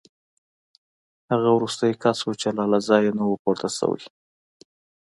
هغه وروستی کس و چې لا له ځایه نه و پورته